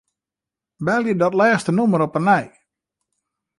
Belje dat lêste nûmer op 'e nij.